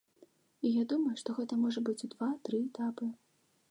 І я думаю, што гэта можа быць у два-тры этапы.